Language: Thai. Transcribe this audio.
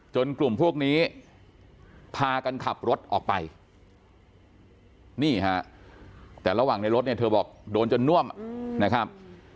กลุ่มพวกนี้พากันขับรถออกไปนี่ฮะแต่ระหว่างในรถเนี่ยเธอบอกโดนจนน่วมนะครับ